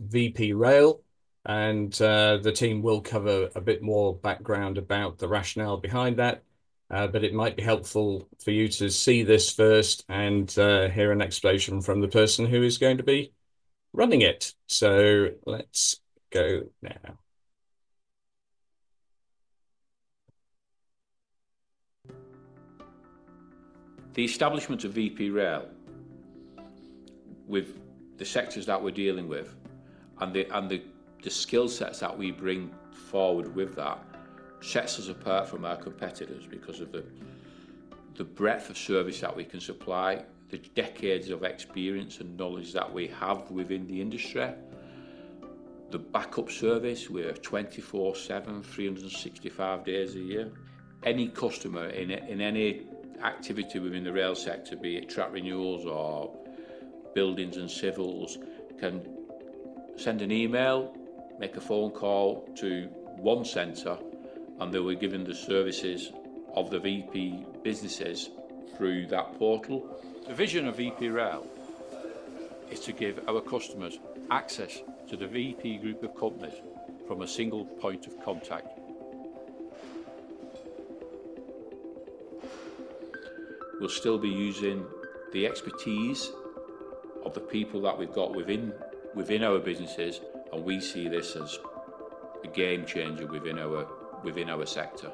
VP Rail, and the team will cover a bit more background about the rationale behind that. But it might be helpful for you to see this first and hear an explanation from the person who is going to be running it. So let's go now. The establishment of VP Rail, with the sectors that we're dealing with and the skill sets that we bring forward with that, sets us apart from our competitors because of the breadth of service that we can supply, the decades of experience and knowledge that we have within the industry, the backup service. We're 24/7, 365 days a year. Any customer in any activity within the rail sector, be it track renewals or buildings and civils, can send an email, make a phone call to one center, and they will be given the services of the VP businesses through that portal. The vision of VP Rail is to give our customers access to the VP group of companies from a single point of contact. We'll still be using the expertise of the people that we've got within our businesses, and we see this as a game changer within our sector.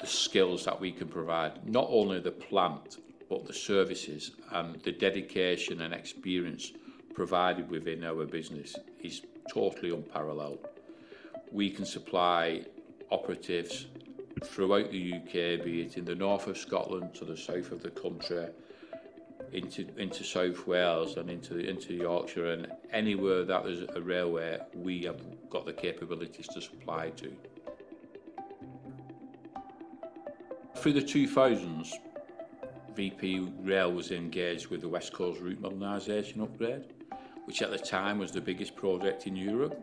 The skills that we can provide, not only the plant, but the services and the dedication and experience provided within our business, is totally unparalleled. We can supply operatives throughout the UK, be it in the north of Scotland to the south of the country, into South Wales and into Yorkshire, and anywhere that is a railway we have got the capabilities to supply to. Through the 2000s, VP Rail was engaged with the West Coast Route Modernization Upgrade, which at the time was the biggest project in Europe,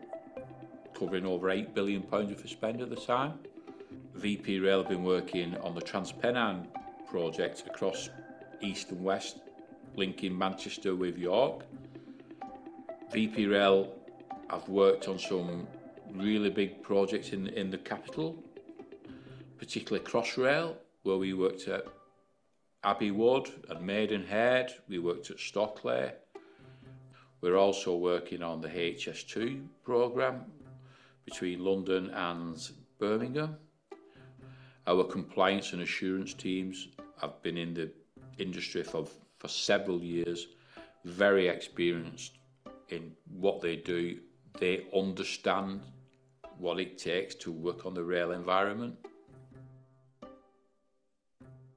covering over 8 billion pounds of expenditure at the time. VP Rail had been working on the Transpennine project across east and west, linking Manchester with York. VP Rail has worked on some really big projects in the capital, particularly Crossrail, where we worked at Abbey Wood and Maidenhead. We worked at Stockley. We're also working on the HS2 program between London and Birmingham. Our compliance and assurance teams have been in the industry for several years, very experienced in what they do. They understand what it takes to work on the rail environment.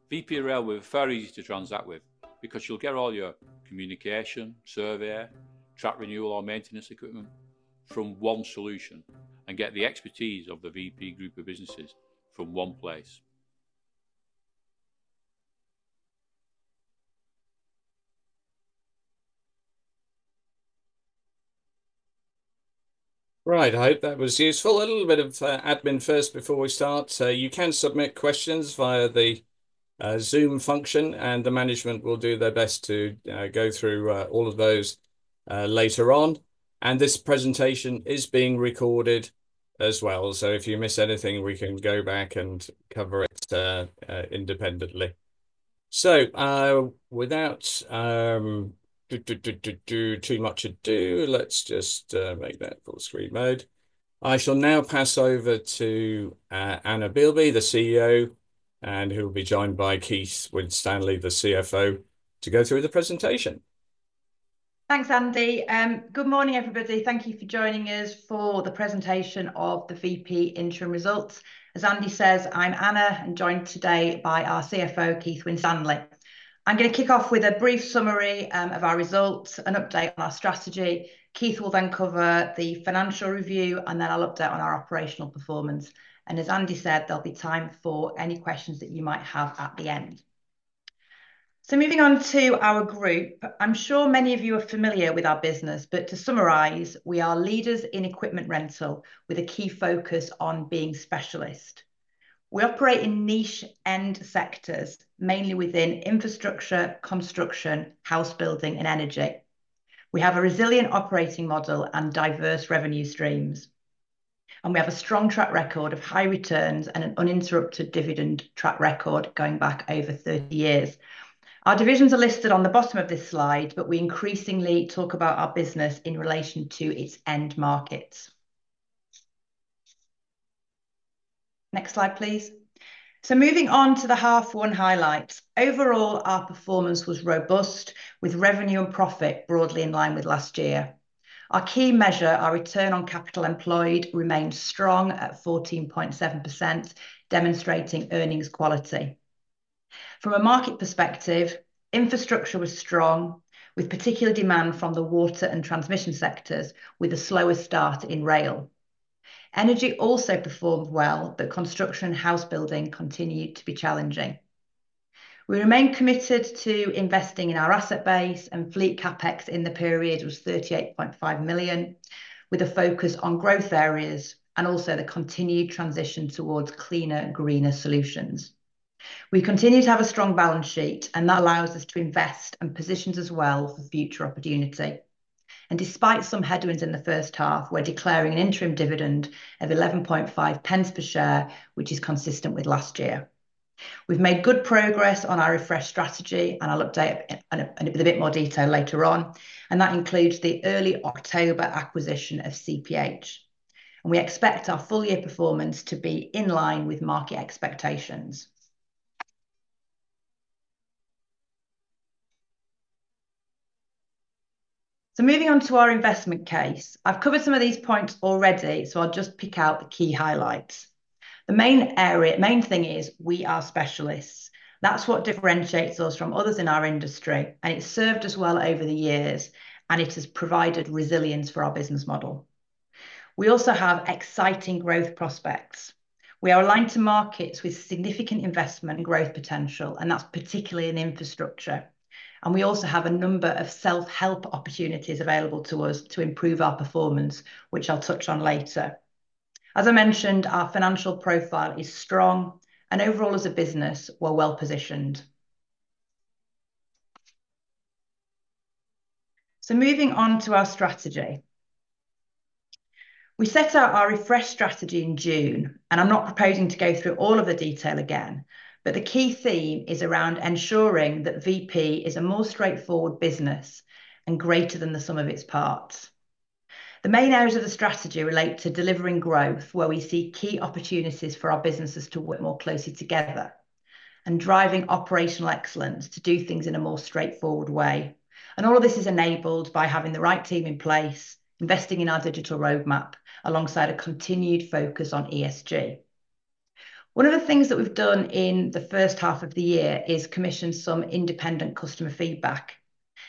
VP Rail were very easy to transact with because you'll get all your communication, survey, track renewal, or maintenance equipment from one solution and get the expertise of the VP group of businesses from one place. Right, I hope that was useful. A little bit of admin first before we start. You can submit questions via the Zoom function, and the management will do their best to go through all of those later on. This presentation is being recorded as well. If you miss anything, we can go back and cover it independently. Without too much ado, let's just make that full screen mode. I shall now pass over to Anna Bielby, the CEO, and who will be joined by Keith Winstanley, the CFO, to go through the presentation. Thanks, Andy. Good morning, everybody. Thank you for joining us for the presentation of the VP interim results. As Andy says, I'm Anna and joined today by our CFO, Keith Winstanley. I'm going to kick off with a brief summary of our results, an update on our strategy. Keith will then cover the financial review, and then I'll update on our operational performance. And as Andy said, there'll be time for any questions that you might have at the end. So moving on to our group, I'm sure many of you are familiar with our business, but to summarize, we are leaders in equipment rental with a key focus on being specialist. We operate in niche end sectors, mainly within infrastructure, construction, house building, and energy. We have a resilient operating model and diverse revenue streams, and we have a strong track record of high returns and an uninterrupted dividend track record going back over 30 years. Our divisions are listed on the bottom of this slide, but we increasingly talk about our business in relation to its end markets. Next slide, please. Moving on to the half one highlights. Overall, our performance was robust, with revenue and profit broadly in line with last year. Our key measure, our Return on Capital Employed, remained strong at 14.7%, demonstrating earnings quality. From a market perspective, infrastructure was strong, with particular demand from the water and transmission sectors, with the slowest start in rail. Energy also performed well, but construction and house building continued to be challenging. We remain committed to investing in our asset base, and fleet CapEx in the period was 38.5 million, with a focus on growth areas and also the continued transition towards cleaner, greener solutions. We continue to have a strong balance sheet, and that allows us to invest and position as well for future opportunity. And despite some headwinds in the first half, we're declaring an interim dividend of 0.115 per share, which is consistent with last year. We've made good progress on our refresh strategy, and I'll update with a bit more detail later on, and that includes the early October acquisition of CPH. And we expect our full year performance to be in line with market expectations. So moving on to our investment case, I've covered some of these points already, so I'll just pick out the key highlights. The main thing is we are specialists. That's what differentiates us from others in our industry, and it's served us well over the years, and it has provided resilience for our business model. We also have exciting growth prospects. We are aligned to markets with significant investment and growth potential, and that's particularly in infrastructure. And we also have a number of self-help opportunities available to us to improve our performance, which I'll touch on later. As I mentioned, our financial profile is strong, and overall as a business, we're well positioned. So moving on to our strategy. We set out our refresh strategy in June, and I'm not proposing to go through all of the detail again, but the key theme is around ensuring that VP is a more straightforward business and greater than the sum of its parts. The main areas of the strategy relate to delivering growth, where we see key opportunities for our businesses to work more closely together and driving operational excellence to do things in a more straightforward way, and all of this is enabled by having the right team in place, investing in our digital roadmap alongside a continued focus on ESG. One of the things that we've done in the first half of the year is commissioned some independent customer feedback,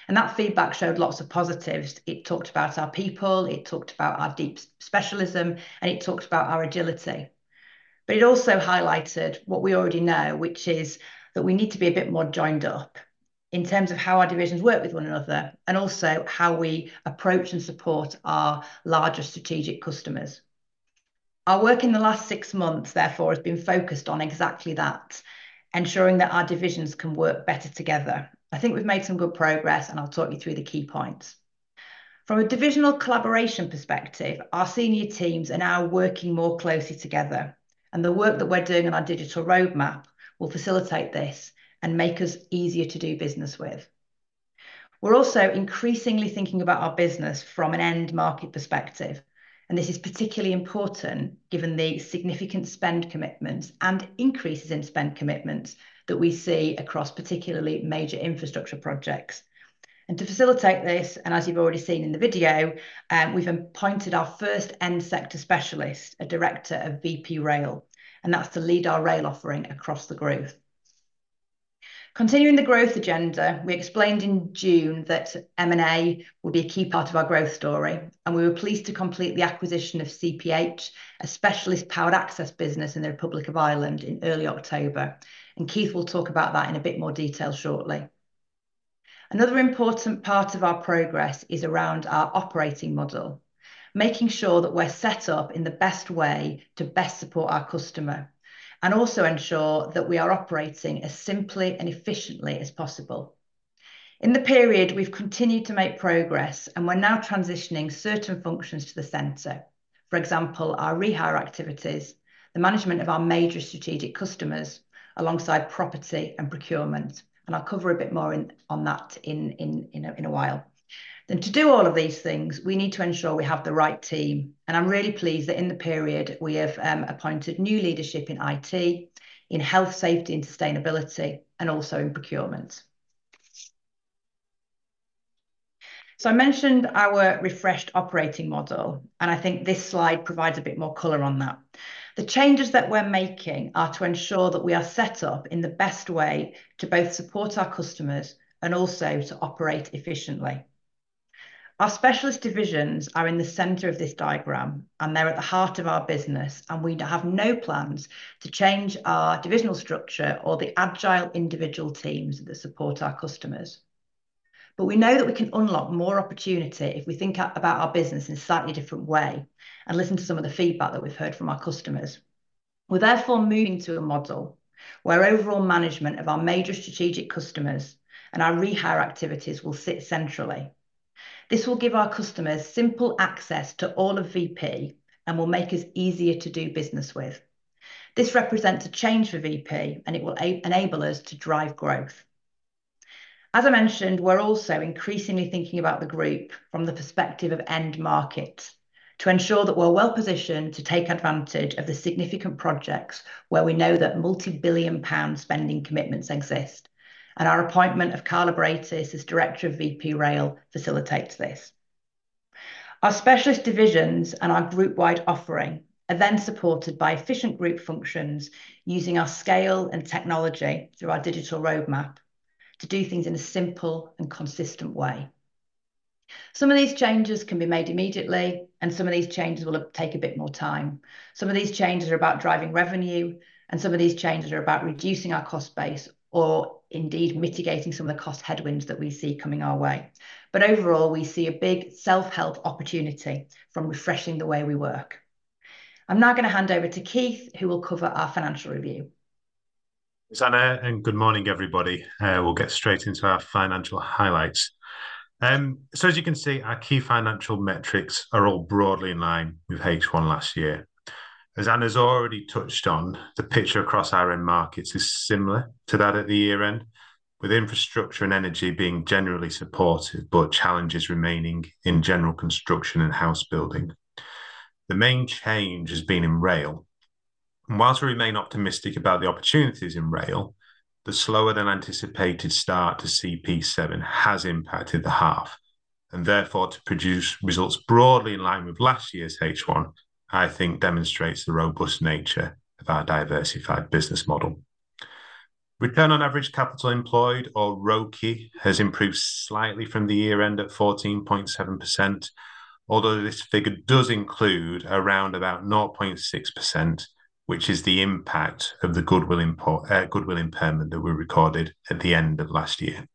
and that feedback showed lots of positives. It talked about our people, it talked about our deep specialism, and it talked about our agility, but it also highlighted what we already know, which is that we need to be a bit more joined up in terms of how our divisions work with one another and also how we approach and support our larger strategic customers. Our work in the last six months, therefore, has been focused on exactly that, ensuring that our divisions can work better together. I think we've made some good progress, and I'll talk you through the key points. From a divisional collaboration perspective, our senior teams are now working more closely together, and the work that we're doing on our digital roadmap will facilitate this and make us easier to do business with. We're also increasingly thinking about our business from an end market perspective, and this is particularly important given the significant spend commitments and increases in spend commitments that we see across particularly major infrastructure projects, and to facilitate this, and as you've already seen in the video, we've appointed our first end sector specialist, a director of VP Rail, and that's to lead our rail offering across the growth. Continuing the growth agenda, we explained in June that M&A would be a key part of our growth story, and we were pleased to complete the acquisition of CPH, a specialist powered access business in the Republic of Ireland in early October, and Keith will talk about that in a bit more detail shortly. Another important part of our progress is around our operating model, making sure that we're set up in the best way to best support our customer and also ensure that we are operating as simply and efficiently as possible. In the period, we've continued to make progress, and we're now transitioning certain functions to the centre. For example, our rehire activities, the management of our major strategic customers alongside property and procurement, and I'll cover a bit more on that in a while. Then to do all of these things, we need to ensure we have the right team, and I'm really pleased that in the period, we have appointed new leadership in IT, in health, safety, and sustainability, and also in procurement. So I mentioned our refreshed operating model, and I think this slide provides a bit more color on that. The changes that we're making are to ensure that we are set up in the best way to both support our customers and also to operate efficiently. Our specialist divisions are in the center of this diagram, and they're at the heart of our business, and we have no plans to change our divisional structure or the agile individual teams that support our customers. But we know that we can unlock more opportunity if we think about our business in a slightly different way and listen to some of the feedback that we've heard from our customers. We're therefore moving to a model where overall management of our major strategic customers and our rehire activities will sit centrally. This will give our customers simple access to all of VP and will make us easier to do business with. This represents a change for VP, and it will enable us to drive growth. As I mentioned, we're also increasingly thinking about the group from the perspective of end market to ensure that we're well positioned to take advantage of the significant projects where we know that multi-billion pound spending commitments exist, and our appointment of Carl Abraitis, as director of VP Rail, facilitates this. Our specialist divisions and our group-wide offering are then supported by efficient group functions using our scale and technology through our digital roadmap to do things in a simple and consistent way. Some of these changes can be made immediately, and some of these changes will take a bit more time. Some of these changes are about driving revenue, and some of these changes are about reducing our cost base or indeed mitigating some of the cost headwinds that we see coming our way. But overall, we see a big self-help opportunity from refreshing the way we work. I'm now going to hand over to Keith, who will cover our financial review. Thanks, Anna. Good morning, everybody. We'll get straight into our financial highlights. As you can see, our key financial metrics are all broadly in line with H1 last year. As Anna has already touched on, the picture across our end markets is similar to that at the year end, with infrastructure and energy being generally supported, but challenges remaining in general construction and house building. The main change has been in rail. Whilst we remain optimistic about the opportunities in rail, the slower than anticipated start to CP7 has impacted the half, and therefore to produce results broadly in line with last year's H1, I think demonstrates the robust nature of our diversified business model. Return on average capital employed, or ROCE, has improved slightly from the year end at 14.7%, although this figure does include around about 0.6%, which is the impact of the goodwill impairment that we recorded at the end of last year.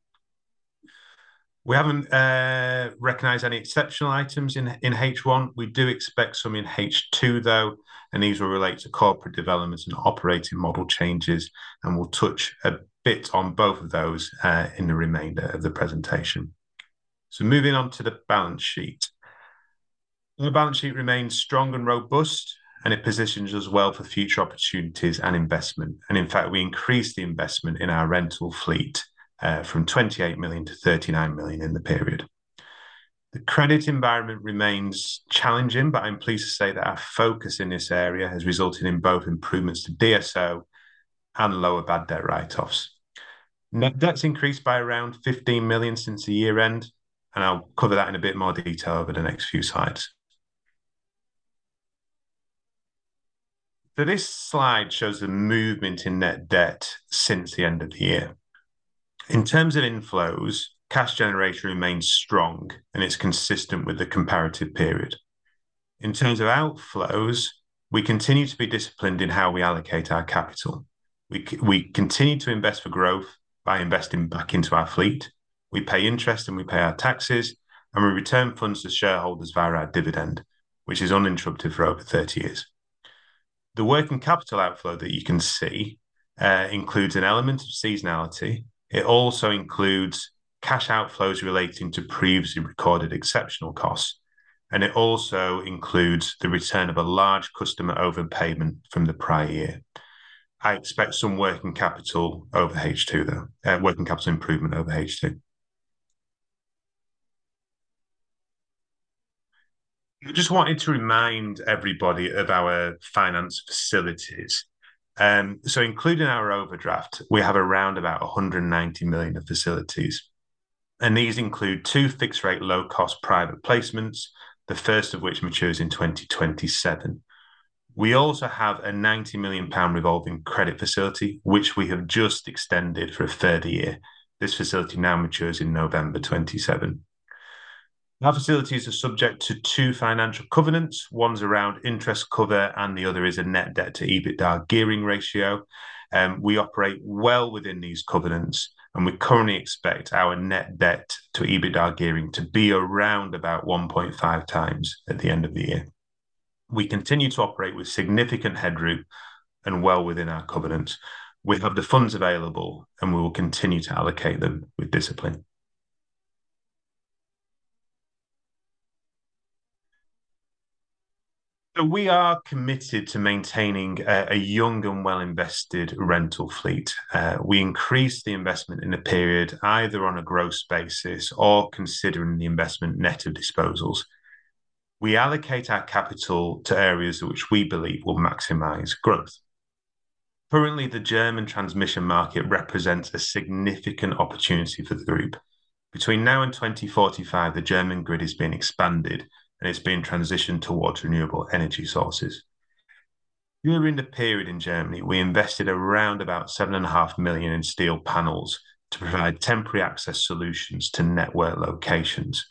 We haven't recognized any exceptional items in H1. We do expect some in H2, though, and these will relate to corporate developments and operating model changes, and we'll touch a bit on both of those in the remainder of the presentation. Moving on to the balance sheet. The balance sheet remains strong and robust, and it positions us well for future opportunities and investment. In fact, we increased the investment in our rental fleet from 28 million to 39 million in the period. The credit environment remains challenging, but I'm pleased to say that our focus in this area has resulted in both improvements to DSO and lower bad debt write-offs. Net debt's increased by around 15 million since the year end, and I'll cover that in a bit more detail over the next few slides. So this slide shows the movement in net debt since the end of the year. In terms of inflows, cash generation remains strong, and it's consistent with the comparative period. In terms of outflows, we continue to be disciplined in how we allocate our capital. We continue to invest for growth by investing back into our fleet. We pay interest, and we pay our taxes, and we return funds to shareholders via our dividend, which is uninterrupted for over 30 years. The working capital outflow that you can see includes an element of seasonality. It also includes cash outflows relating to previously recorded exceptional costs, and it also includes the return of a large customer overpayment from the prior year. I expect some working capital over H2, though, working capital improvement over H2. I just wanted to remind everybody of our finance facilities. So including our overdraft, we have around about 190 million of facilities, and these include two fixed-rate low-cost private placements, the first of which matures in 2027. We also have a 90 million pound revolving credit facility, which we have just extended for a third year. This facility now matures in November 2027. Our facilities are subject to two financial covenants. One's around interest cover, and the other is a net debt to EBITDA gearing ratio. We operate well within these covenants, and we currently expect our net debt to EBITDA gearing to be around about 1.5 times at the end of the year. We continue to operate with significant headroom and well within our covenants. We have the funds available, and we will continue to allocate them with discipline. So we are committed to maintaining a young and well-invested rental fleet. We increase the investment in a period either on a gross basis or considering the investment net of disposals. We allocate our capital to areas which we believe will maximize growth. Currently, the German transmission market represents a significant opportunity for the group. Between now and 2045, the German grid has been expanded, and it's been transitioned towards renewable energy sources. During the period in Germany, we invested around about 7.5 million in steel panels to provide temporary access solutions to network locations.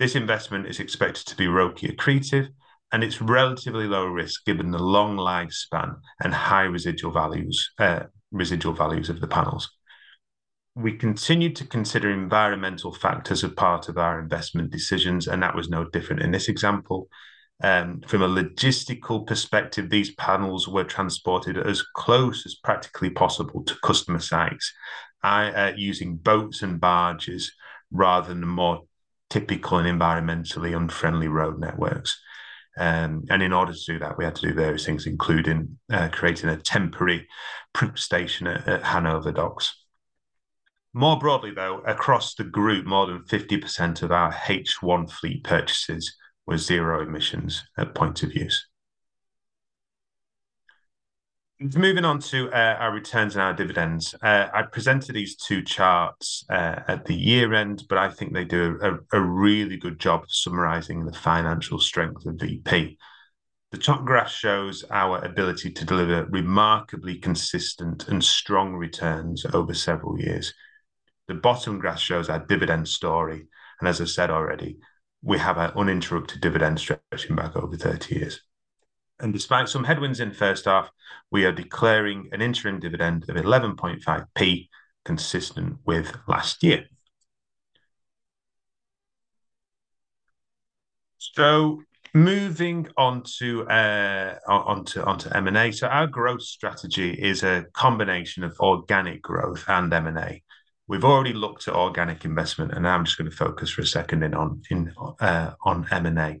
This investment is expected to be ROCE accretive, and it's relatively low risk given the long lifespan and high residual values of the panels. We continue to consider environmental factors as part of our investment decisions, and that was no different in this example. From a logistical perspective, these panels were transported as close as practically possible to customer sites using boats and barges rather than the more typical and environmentally unfriendly road networks, and in order to do that, we had to do various things, including creating a temporary proof station at Hannover Docks. More broadly, though, across the group, more than 50% of our H1 fleet purchases were zero emissions at point of use. Moving on to our returns and our dividends, I presented these two charts at the year end, but I think they do a really good job summarizing the financial strength of VP. The top graph shows our ability to deliver remarkably consistent and strong returns over several years. The bottom graph shows our dividend story, and as I said already, we have our uninterrupted dividend stretching back over 30 years. And despite some headwinds in first half, we are declaring an interim dividend of 11.5p, consistent with last year. So moving on to M&A, so our growth strategy is a combination of organic growth and M&A. We've already looked at organic investment, and now I'm just going to focus for a second on M&A.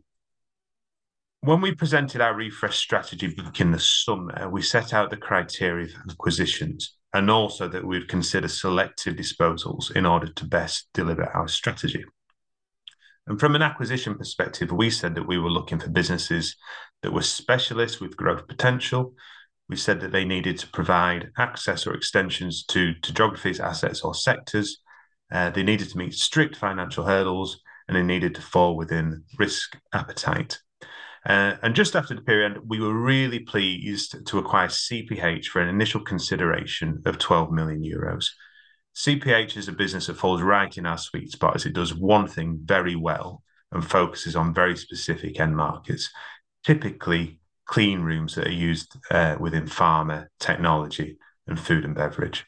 When we presented our refresh strategy back in the summer, we set out the criteria for acquisitions and also that we would consider selective disposals in order to best deliver our strategy. And from an acquisition perspective, we said that we were looking for businesses that were specialists with growth potential. We said that they needed to provide access or extensions to geographies, assets, or sectors. They needed to meet strict financial hurdles, and they needed to fall within risk appetite. And just after the period, we were really pleased to acquire CPH for an initial consideration of 12 million euros. CPH is a business that falls right in our sweet spot as it does one thing very well and focuses on very specific end markets, typically clean rooms that are used within pharma technology and food and beverage.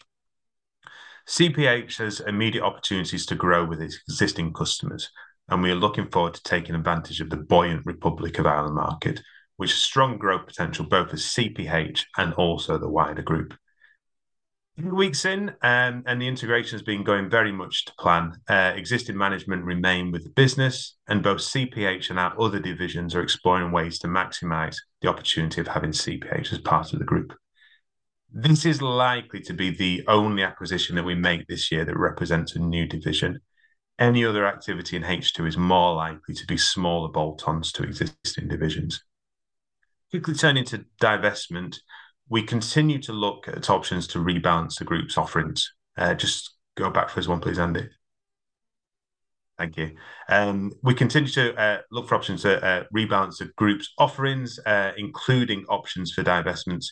CPH has immediate opportunities to grow with its existing customers, and we are looking forward to taking advantage of the buoyant Republic of Ireland market, which has strong growth potential both for CPH and also the wider group. A few weeks in, and the integration has been going very much to plan. Existing management remain with the business, and both CPH and our other divisions are exploring ways to maximize the opportunity of having CPH as part of the group. This is likely to be the only acquisition that we make this year that represents a new division. Any other activity in H2 is more likely to be smaller bolt-ons to existing divisions. Quickly turning to divestment, we continue to look at options to rebalance the group's offerings. Just go back for this one, please, Andy. Thank you. We continue to look for options to rebalance the group's offerings, including options for divestments.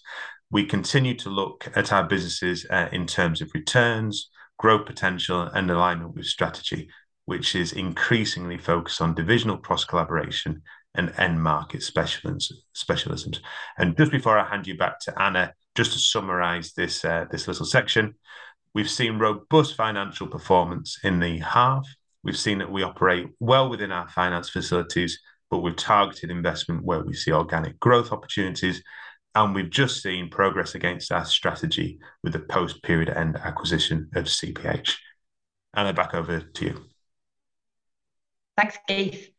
We continue to look at our businesses in terms of returns, growth potential, and alignment with strategy, which is increasingly focused on divisional cross-collaboration and end market specializations. Just before I hand you back to Anna, just to summarize this little section, we've seen robust financial performance in the half. We've seen that we operate well within our finance facilities, but we've targeted investment where we see organic growth opportunities, and we've just seen progress against our strategy with the post-period end acquisition of CPH. Anna, back over to you. Thanks, Keith.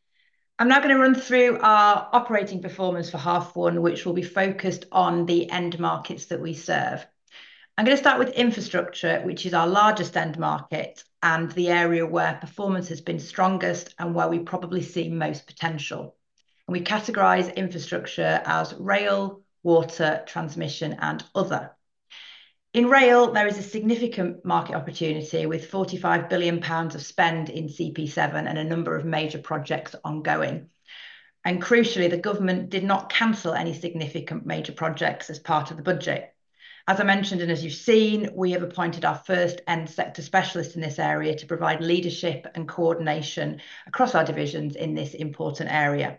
I'm now going to run through our operating performance for half one, which will be focused on the end markets that we serve. I'm going to start with infrastructure, which is our largest end market and the area where performance has been strongest and where we probably see most potential, and we categorise infrastructure as rail, water, transmission, and other. In rail, there is a significant market opportunity with 45 billion pounds of spend in CP7 and a number of major projects ongoing, and crucially, the government did not cancel any significant major projects as part of the budget. As I mentioned and as you've seen, we have appointed our first end sector specialist in this area to provide leadership and coordination across our divisions in this important area.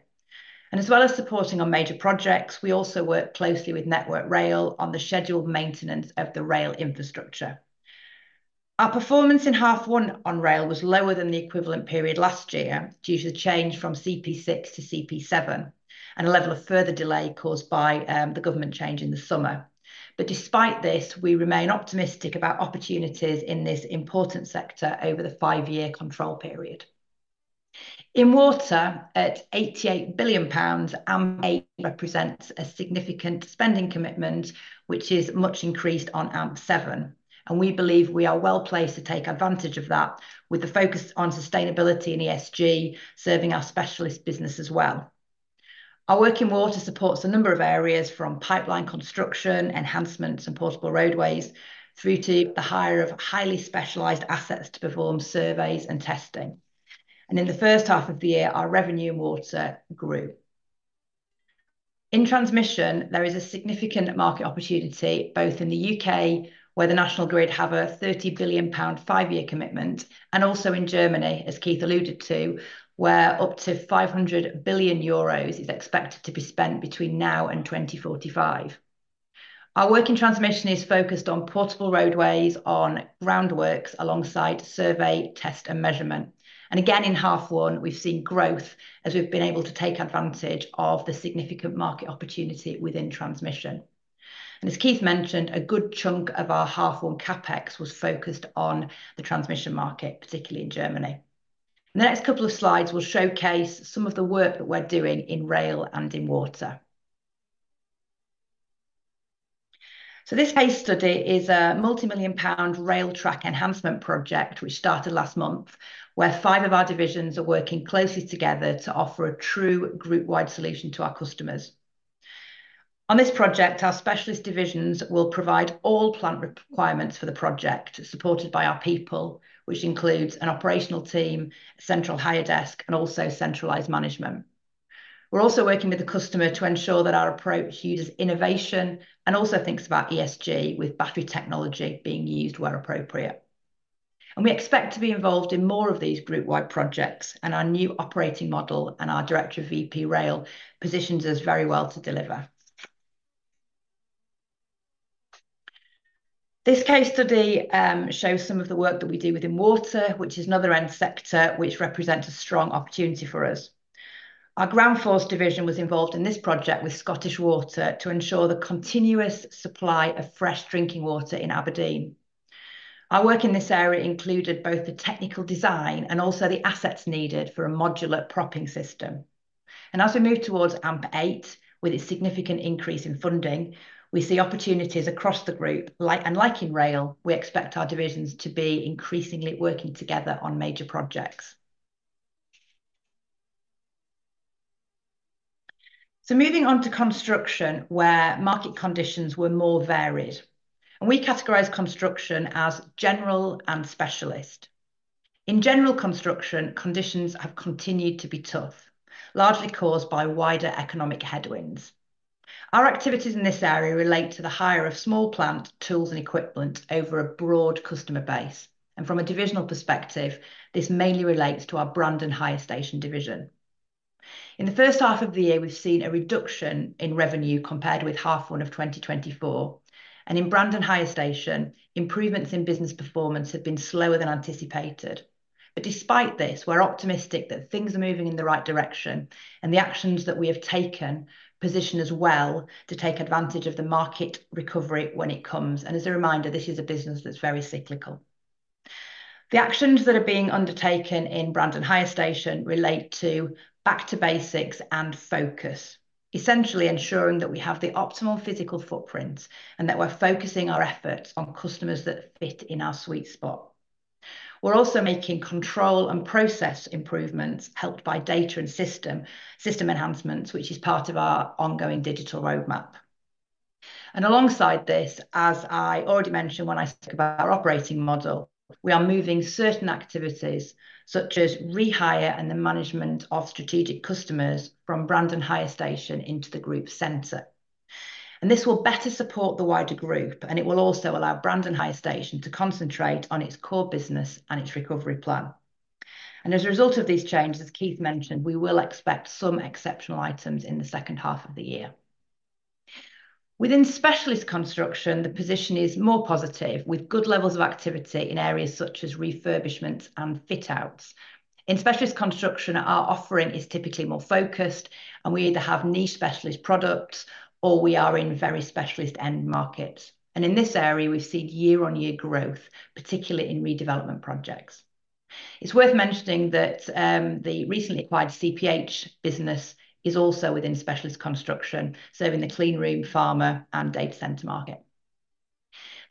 As well as supporting our major projects, we also work closely with Network Rail on the scheduled maintenance of the rail infrastructure. Our performance in half one on rail was lower than the equivalent period last year due to the change from CP6 to CP7 and a level of further delay caused by the government change in the summer. Despite this, we remain optimistic about opportunities in this important sector over the five-year control period. In water, at 88 billion pounds, AMP8 represents a significant spending commitment, which is much increased on AMP7. We believe we are well placed to take advantage of that with the focus on sustainability and ESG serving our specialist business as well. Our work in water supports a number of areas from pipeline construction, enhancements, and portable roadways through to the hire of highly specialized assets to perform surveys and testing. In the first half of the year, our revenue in water grew. In transmission, there is a significant market opportunity both in the U.K., where the National Grid has a 30 billion pound five-year commitment, and also in Germany, as Keith alluded to, where up to 500 billion euros is expected to be spent between now and 2045. Our work in transmission is focused on portable roadways, on groundworks alongside survey, test, and measurement. And again, in half one, we've seen growth as we've been able to take advantage of the significant market opportunity within transmission. And as Keith mentioned, a good chunk of our half one CapEx was focused on the transmission market, particularly in Germany. The next couple of slides will showcase some of the work that we're doing in rail and in water. This case study is a multi-million-pound rail track enhancement project which started last month, where five of our divisions are working closely together to offer a true group-wide solution to our customers. On this project, our specialist divisions will provide all plant requirements for the project supported by our people, which includes an operational team, a central hire desk, and also centralized management. We're also working with the customer to ensure that our approach uses innovation and also thinks about ESG with battery technology being used where appropriate. We expect to be involved in more of these group-wide projects, and our new operating model and our director of VP Rail positions us very well to deliver. This case study shows some of the work that we do within water, which is another end sector which represents a strong opportunity for us. Our Groundforce division was involved in this project with Scottish Water to ensure the continuous supply of fresh drinking water in Aberdeen. Our work in this area included both the technical design and also the assets needed for a modular propping system. And as we move towards AMP8 with its significant increase in funding, we see opportunities across the group, and like in rail, we expect our divisions to be increasingly working together on major projects. So moving on to construction, where market conditions were more varied. And we categorize construction as general and specialist. In general construction, conditions have continued to be tough, largely caused by wider economic headwinds. Our activities in this area relate to the hire of small plant tools and equipment over a broad customer base. And from a divisional perspective, this mainly relates to our Brandon Hire Station division. In the first half of the year, we've seen a reduction in revenue compared with half one of 2024. And in Brandon Hire Station, improvements in business performance have been slower than anticipated. But despite this, we're optimistic that things are moving in the right direction and the actions that we have taken position as well to take advantage of the market recovery when it comes. And as a reminder, this is a business that's very cyclical. The actions that are being undertaken in Brandon Hire Station relate to back to basics and focus, essentially ensuring that we have the optimal physical footprint and that we're focusing our efforts on customers that fit in our sweet spot. We're also making control and process improvements helped by data and system enhancements, which is part of our ongoing digital roadmap. And alongside this, as I already mentioned when I spoke about our operating model, we are moving certain activities such as rehire and the management of strategic customers from Brandon Hire Station into the group centre. And this will better support the wider group, and it will also allow Brandon Hire Station to concentrate on its core business and its recovery plan. And as a result of these changes, as Keith mentioned, we will expect some exceptional items in the second half of the year. Within specialist construction, the position is more positive with good levels of activity in areas such as refurbishment and fit-outs. In specialist construction, our offering is typically more focused, and we either have niche specialist products or we are in very specialist end markets. And in this area, we've seen year-on-year growth, particularly in redevelopment projects. It's worth mentioning that the recently acquired CPH business is also within specialist construction, serving the clean room, pharma, and data center market.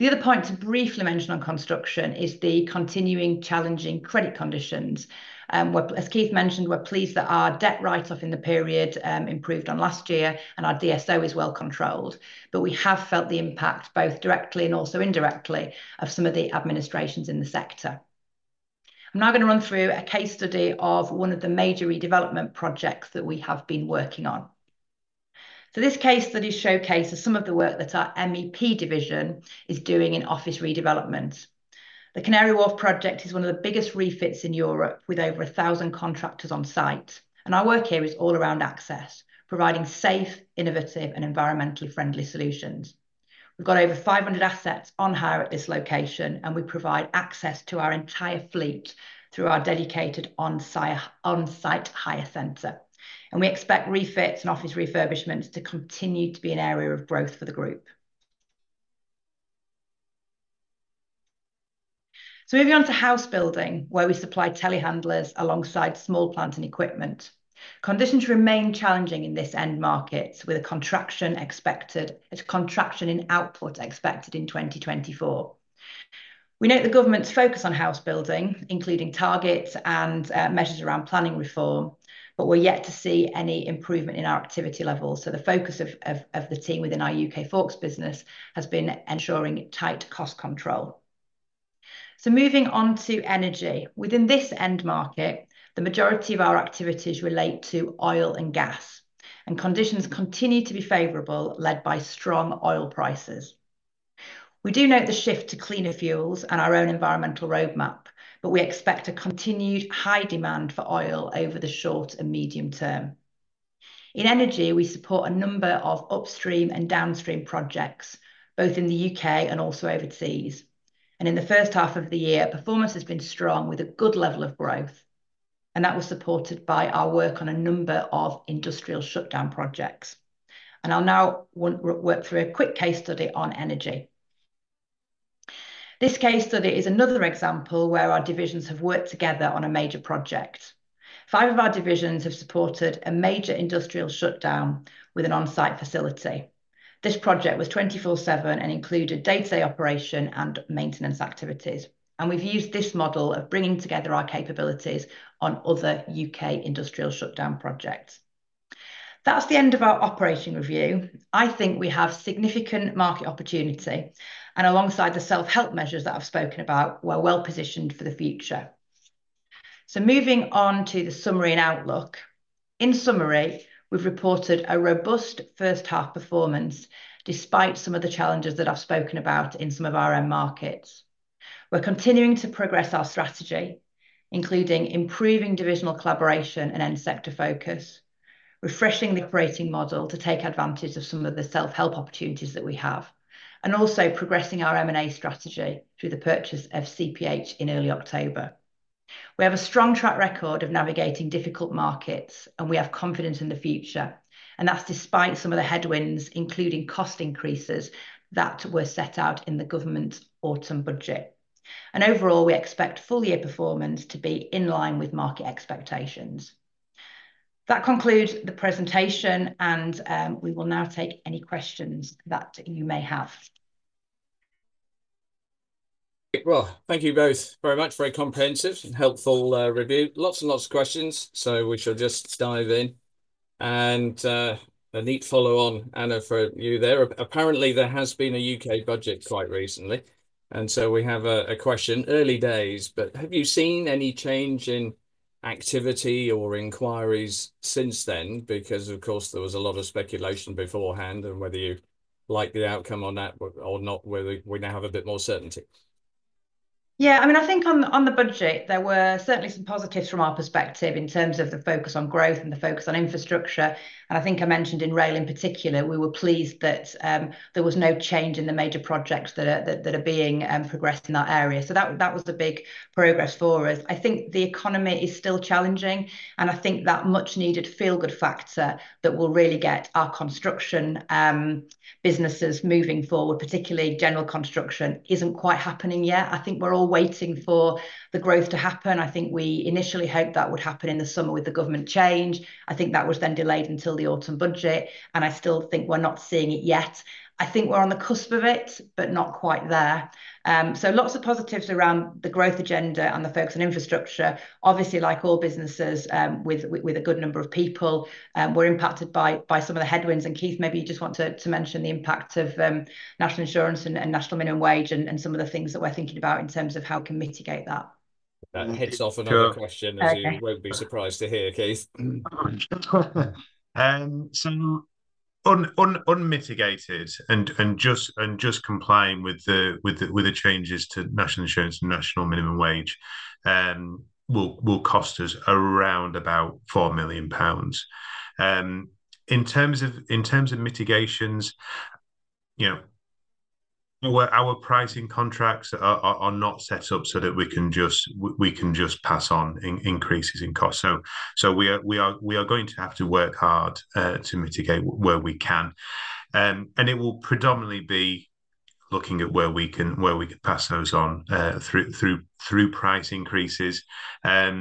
The other point to briefly mention on construction is the continuing challenging credit conditions. As Keith mentioned, we're pleased that our debt write-off in the period improved on last year and our DSO is well controlled, but we have felt the impact both directly and also indirectly of some of the administrations in the sector. I'm now going to run through a case study of one of the major redevelopment projects that we have been working on, so this case study showcases some of the work that our MEP division is doing in office redevelopment. The Canary Wharf project is one of the biggest refits in Europe with over 1,000 contractors on site. Our work here is all around access, providing safe, innovative, and environmentally friendly solutions. We've got over 500 assets on hire at this location, and we provide access to our entire fleet through our dedicated on-site hire center. We expect refits and office refurbishments to continue to be an area of growth for the group. Moving on to house building, where we supply telehandlers alongside small plant and equipment. Conditions remain challenging in this end market with a contraction expected, a contraction in output expected in 2024. We note the government's focus on house building, including targets and measures around planning reform, but we're yet to see any improvement in our activity level. The focus of the team within our UK Forks business has been ensuring tight cost control. So moving on to energy, within this end market, the majority of our activities relate to oil and gas, and conditions continue to be favorable led by strong oil prices. We do note the shift to cleaner fuels and our own environmental roadmap, but we expect a continued high demand for oil over the short and medium term. In energy, we support a number of upstream and downstream projects, both in the UK and also overseas. And in the first half of the year, performance has been strong with a good level of growth. And that was supported by our work on a number of industrial shutdown projects. And I'll now work through a quick case study on energy. This case study is another example where our divisions have worked together on a major project. Five of our divisions have supported a major industrial shutdown with an on-site facility. This project was 24/7 and included day-to-day operation and maintenance activities. And we've used this model of bringing together our capabilities on other U.K. industrial shutdown projects. That's the end of our operating review. I think we have significant market opportunity. And alongside the self-help measures that I've spoken about, we're well positioned for the future. So moving on to the summary and outlook. In summary, we've reported a robust first half performance despite some of the challenges that I've spoken about in some of our end markets. We're continuing to progress our strategy, including improving divisional collaboration and end sector focus, refreshing the operating model to take advantage of some of the self-help opportunities that we have, and also progressing our M&A strategy through the purchase of CPH in early October. We have a strong track record of navigating difficult markets, and we have confidence in the future. That's despite some of the headwinds, including cost increases that were set out in the government autumn budget. Overall, we expect full year performance to be in line with market expectations. That concludes the presentation, and we will now take any questions that you may have. Thank you both very much. Very comprehensive and helpful review. Lots and lots of questions, so we shall just dive in. A neat follow-on, Anna, for you there. Apparently, there has been a U.K. budget quite recently. We have a question. Early days, but have you seen any change in activity or inquiries since then? Because, of course, there was a lot of speculation beforehand and whether you like the outcome on that or not, whether we now have a bit more certainty. Yeah, I mean, I think on the budget, there were certainly some positives from our perspective in terms of the focus on growth and the focus on infrastructure, and I think I mentioned in rail in particular, we were pleased that there was no change in the major projects that are being progressed in that area, so that was a big progress for us. I think the economy is still challenging, and I think that much-needed feel-good factor that will really get our construction businesses moving forward, particularly general construction, isn't quite happening yet. I think we're all waiting for the growth to happen. I think we initially hoped that would happen in the summer with the government change. I think that was then delayed until the autumn budget, and I still think we're not seeing it yet. I think we're on the cusp of it, but not quite there. So lots of positives around the growth agenda and the focus on infrastructure. Obviously, like all businesses with a good number of people, we're impacted by some of the headwinds. And Keith, maybe you just want to mention the impact of National Insurance and National Minimum Wage and some of the things that we're thinking about in terms of how we can mitigate that. That kicks off another question, as you won't be surprised to hear, Keith. Unmitigated and just complying with the changes to National Insurance and National Minimum Wage will cost us around about 4 million pounds. In terms of mitigations, our pricing contracts are not set up so that we can just pass on increases in costs. We are going to have to work hard to mitigate where we can. It will predominantly be looking at where we can pass those on through price increases. Our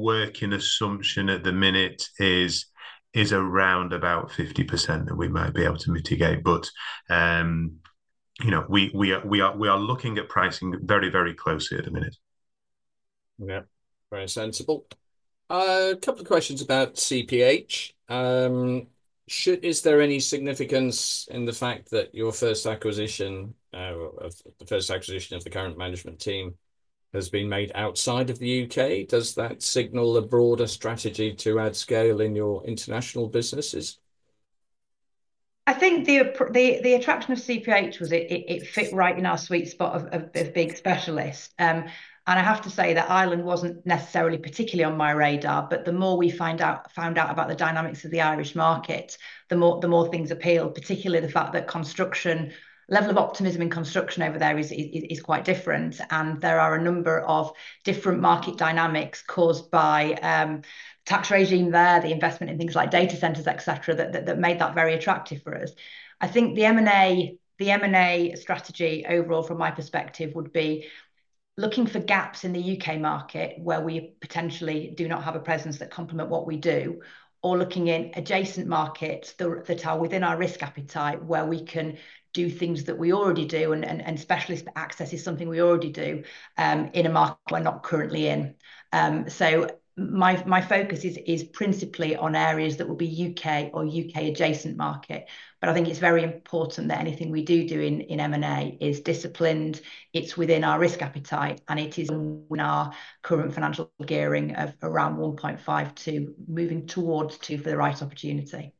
working assumption at the minute is around about 50% that we might be able to mitigate, but we are looking at pricing very, very closely at the minute. Yeah, very sensible. A couple of questions about CPH. Is there any significance in the fact that your first acquisition of the current management team has been made outside of the UK? Does that signal a broader strategy to add scale in your international businesses? I think the attraction of CPH was it fit right in our sweet spot of being specialists, and I have to say that Ireland wasn't necessarily particularly on my radar, but the more we found out about the dynamics of the Irish market, the more things appealed, particularly the fact that level of optimism in construction over there is quite different, and there are a number of different market dynamics caused by tax regime there, the investment in things like data centers, etc., that made that very attractive for us. I think the M&A strategy overall, from my perspective, would be looking for gaps in the U.K. market where we potentially do not have a presence that complement what we do, or looking in adjacent markets that are within our risk appetite where we can do things that we already do, and specialist access is something we already do in a market we're not currently in. So my focus is principally on areas that will be U.K. or U.K. adjacent market. But I think it's very important that anything we do do in M&A is disciplined, it's within our risk appetite, and it is in our current financial gearing of around 1.5 to moving towards 2 for the right opportunity.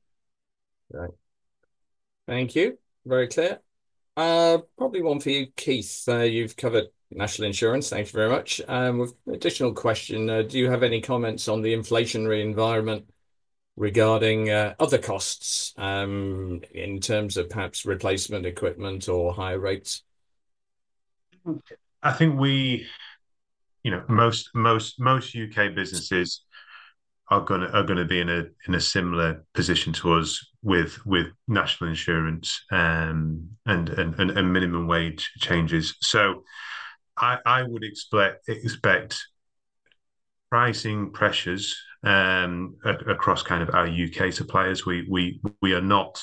Thank you. Very clear. Probably one for you, Keith. You've covered National Insurance. Thank you very much. With an additional question, do you have any comments on the inflationary environment regarding other costs in terms of perhaps replacement equipment or higher rates? I think most UK businesses are going to be in a similar position to us with National Insurance and minimum wage changes. So I would expect pricing pressures across kind of our UK suppliers. We are not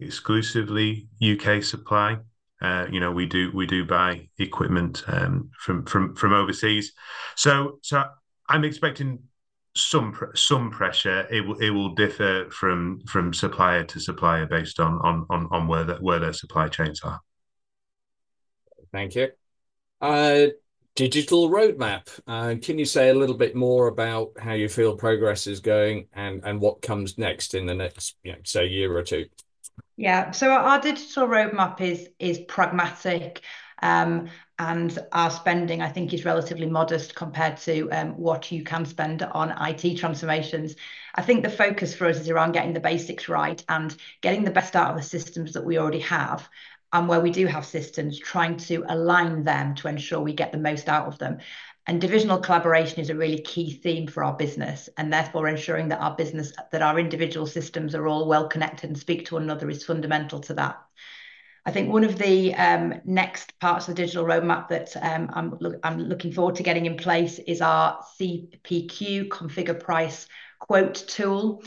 exclusively UK supply. We do buy equipment from overseas. So I'm expecting some pressure. It will differ from supplier to supplier based on where their supply chains are. Thank you. Digital roadmap. Can you say a little bit more about how you feel progress is going and what comes next in the next, say, year or two? Yeah. Our digital roadmap is pragmatic, and our spending, I think, is relatively modest compared to what you can spend on IT transformations. I think the focus for us is around getting the basics right and getting the best out of the systems that we already have, and where we do have systems, trying to align them to ensure we get the most out of them. Divisional collaboration is a really key theme for our business, and therefore ensuring that our business, that our individual systems are all well connected and speak to one another is fundamental to that. I think one of the next parts of the digital roadmap that I'm looking forward to getting in place is our CPQ configure price quote tool,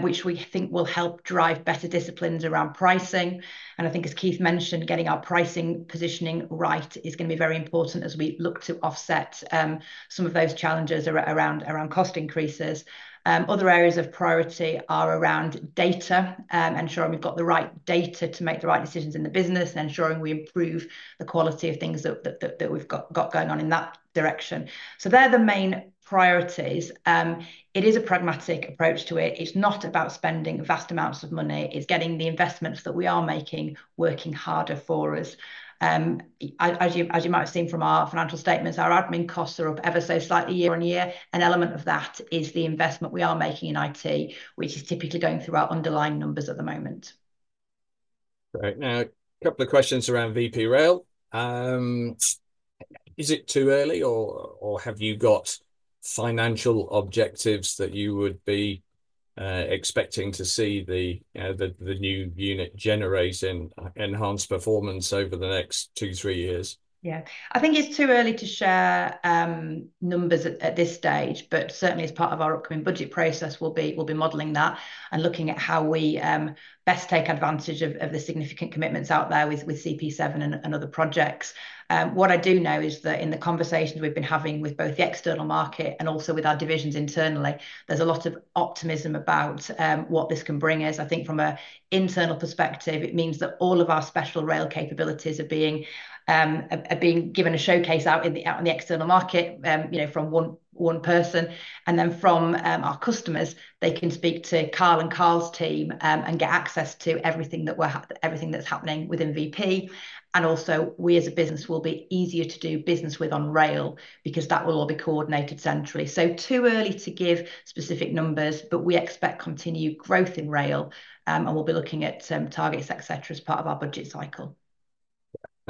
which we think will help drive better disciplines around pricing. And I think, as Keith mentioned, getting our pricing positioning right is going to be very important as we look to offset some of those challenges around cost increases. Other areas of priority are around data and ensuring we've got the right data to make the right decisions in the business and ensuring we improve the quality of things that we've got going on in that direction. So they're the main priorities. It is a pragmatic approach to it. It's not about spending vast amounts of money. It's getting the investments that we are making working harder for us. As you might have seen from our financial statements, our admin costs are up ever so slightly year on year. An element of that is the investment we are making in IT, which is typically going through our underlying numbers at the moment. Right. Now, a couple of questions around VP Rail. Is it too early, or have you got financial objectives that you would be expecting to see the new unit generate and enhance performance over the next two, three years? Yeah. I think it's too early to share numbers at this stage, but certainly as part of our upcoming budget process, we'll be modelling that and looking at how we best take advantage of the significant commitments out there with CP7 and other projects. What I do know is that in the conversations we've been having with both the external market and also with our divisions internally, there's a lot of optimism about what this can bring us. I think from an internal perspective, it means that all of our special rail capabilities are being given a showcase out in the external market from one person, and then from our customers, they can speak to Carl and Carl's team and get access to everything that's happening within VP, and also, we as a business will be easier to do business with on rail because that will all be coordinated centrally. It's too early to give specific numbers, but we expect continued growth in rail, and we'll be looking at targets, etc., as part of our budget cycle.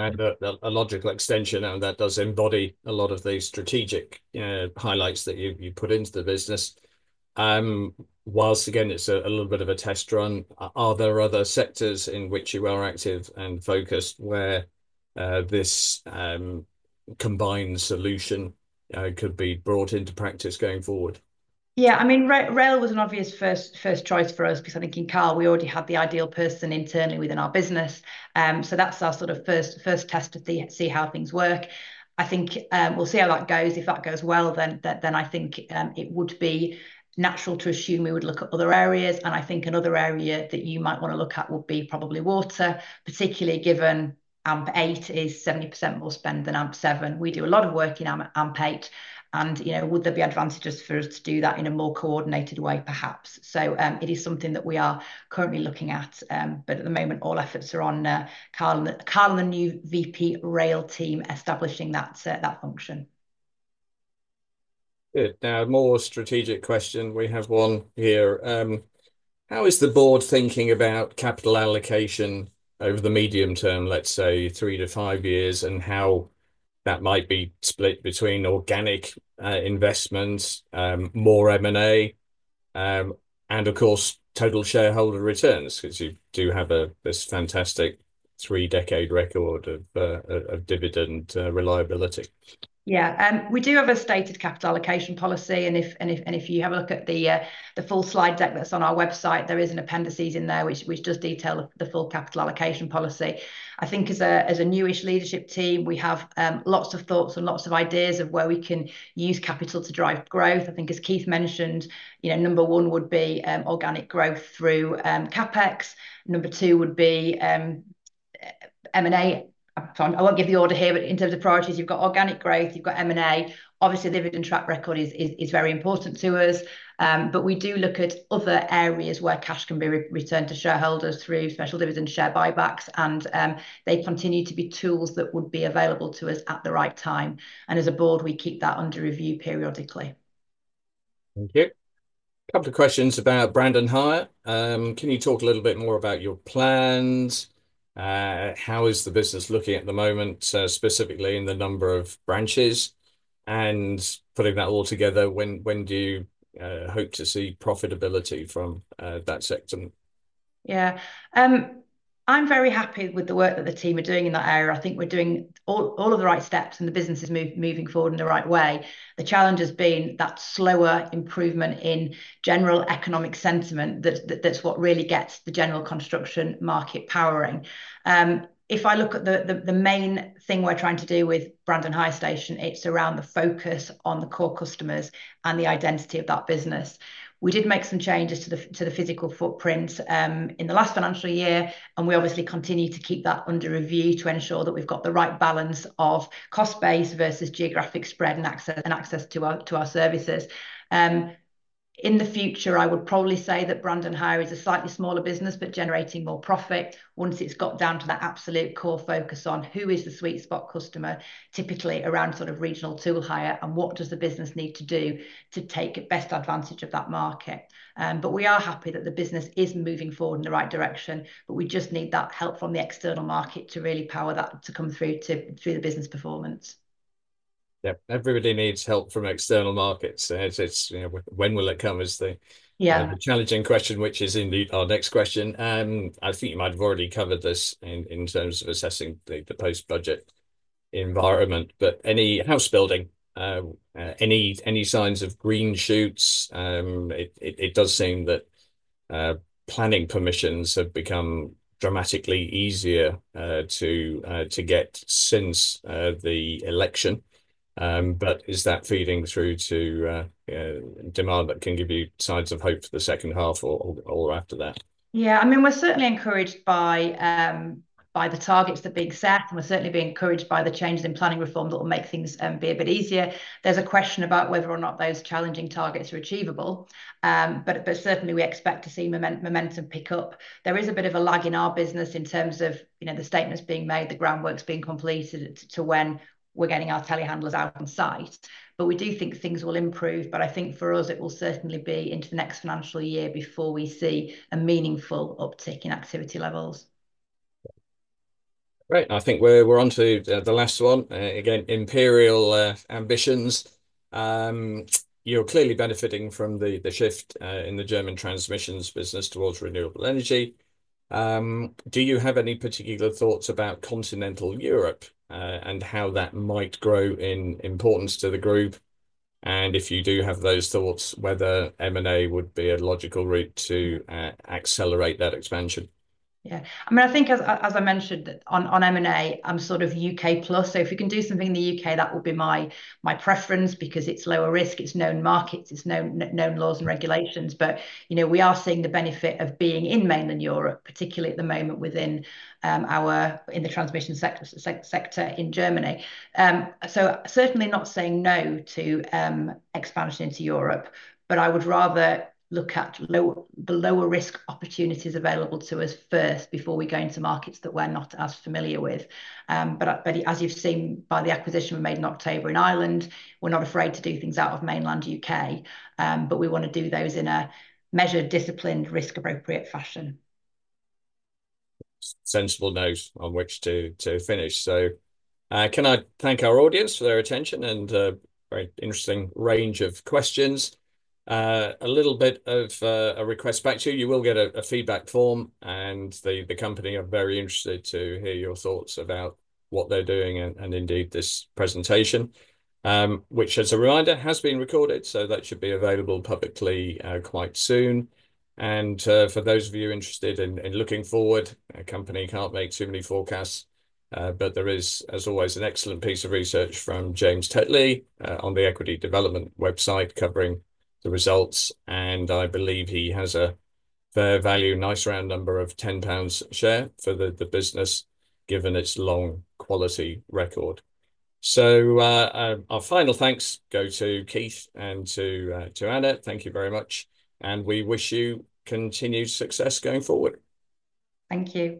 A logical extension, and that does embody a lot of the strategic highlights that you put into the business. Whilst, again, it's a little bit of a test run, are there other sectors in which you are active and focused where this combined solution could be brought into practice going forward? Yeah. I mean, rail was an obvious first choice for us because I think in Carl, we already had the ideal person internally within our business. So that's our sort of first test to see how things work. I think we'll see how that goes. If that goes well, then I think it would be natural to assume we would look at other areas, and I think another area that you might want to look at would be probably water, particularly given AMP8 is 70% more spend than AMP 7. We do a lot of work in AMP8, and would there be advantages for us to do that in a more coordinated way, perhaps, so it is something that we are currently looking at, but at the moment, all efforts are on Carl and the new VP Rail team establishing that function. Good. Now, a more strategic question. We have one here. How is the board thinking about capital allocation over the medium term, let's say three to five years, and how that might be split between organic investments, more M&A, and, of course, total shareholder returns because you do have this fantastic three-decade record of dividend reliability? Yeah. We do have a stated capital allocation policy, and if you have a look at the full slide deck that's on our website, there are appendices in there which just detail the full capital allocation policy. I think as a newish leadership team, we have lots of thoughts and lots of ideas of where we can use capital to drive growth. I think, as Keith mentioned, number one would be organic growth through CapEx. Number two would be M&A. I won't give the order here, but in terms of priorities, you've got organic growth, you've got M&A. Obviously, the dividend track record is very important to us, but we do look at other areas where cash can be returned to shareholders through special dividend share buybacks, and they continue to be tools that would be available to us at the right time. As a Board, we keep that under review periodically. Thank you. A couple of questions about Brandon Hire Station. Can you talk a little bit more about your plans? How is the business looking at the moment, specifically in the number of branches? And putting that all together, when do you hope to see profitability from that sector? Yeah. I'm very happy with the work that the team are doing in that area. I think we're doing all of the right steps, and the business is moving forward in the right way. The challenge has been that slower improvement in general economic sentiment. That's what really gets the general construction market powering. If I look at the main thing we're trying to do with Brandon Hire Station, it's around the focus on the core customers and the identity of that business. We did make some changes to the physical footprint in the last financial year, and we obviously continue to keep that under review to ensure that we've got the right balance of cost base versus geographic spread and access to our services. In the future, I would probably say that Brandon Hire Station is a slightly smaller business, but generating more profit once it's got down to that absolute core focus on who is the sweet spot customer, typically around sort of regional tool hire, and what does the business need to do to take best advantage of that market. We are happy that the business is moving forward in the right direction, but we just need that help from the external market to really power that to come through to the business performance. Yeah. Everybody needs help from external markets. When will it come is the challenging question, which is indeed our next question. I think you might have already covered this in terms of assessing the post-budget environment, but any house building, any signs of green shoots? It does seem that planning permissions have become dramatically easier to get since the election. But is that feeding through to demand that can give you signs of hope for the second half or after that? Yeah. I mean, we're certainly encouraged by the targets that have been set, and we're certainly being encouraged by the changes in planning reform that will make things be a bit easier. There's a question about whether or not those challenging targets are achievable, but certainly, we expect to see momentum pick up. There is a bit of a lag in our business in terms of the statements being made, the groundwork being completed to when we're getting our telehandlers out on site. But we do think things will improve, but I think for us, it will certainly be into the next financial year before we see a meaningful uptick in activity levels. Great. I think we're on to the last one. Again, imperial ambitions. You're clearly benefiting from the shift in the German transmission business towards renewable energy. Do you have any particular thoughts about continental Europe and how that might grow in importance to the group? And if you do have those thoughts, whether M&A would be a logical route to accelerate that expansion? Yeah. I mean, I think, as I mentioned, on M&A, I'm sort of U.K. plus, so if we can do something in the U.K., that would be my preference because it's lower risk, it's known markets, it's known laws and regulations, but we are seeing the benefit of being in mainland Europe, particularly at the moment within the transmission sector in Germany, so certainly not saying no to expansion into Europe, but I would rather look at the lower risk opportunities available to us first before we go into markets that we're not as familiar with, but as you've seen by the acquisition we made in October in Ireland, we're not afraid to do things out of mainland U.K., but we want to do those in a measured, disciplined, risk-appropriate fashion. Sensible note on which to finish. So can I thank our audience for their attention and very interesting range of questions? A little bit of a request back to you. You will get a feedback form, and the company are very interested to hear your thoughts about what they're doing and indeed this presentation, which, as a reminder, has been recorded, so that should be available publicly quite soon. And for those of you interested in looking forward, the company can't make too many forecasts, but there is, as always, an excellent piece of research from James Tetley on the Equity Development website covering the results. And I believe he has a fair value, nice round number of £10 share for the business, given its long quality record. So our final thanks go to Keith and to Anna. Thank you very much, and we wish you continued success going forward. Thank you.